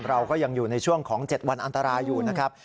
เราก็ยังอยู่ในช่วงของ๗วันอันตรายอยู่นะครับ